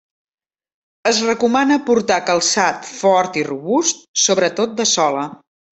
Es recomana portar calçat fort i robust, sobretot de sola.